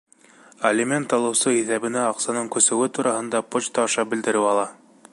Алимент алыусы иҫәбенә аҡсаның күсеүе тураһында почта аша белдереү ала.